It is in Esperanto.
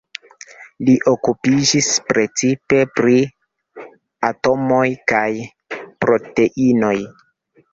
Li okupiĝis precipe pri atomoj kaj proteinoj.